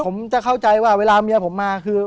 ผมจะเข้าใจว่าเวลาเมียผมมาคือ